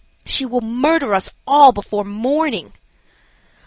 "She will murder us all before morning."